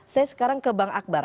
saya sekarang ke bang akbar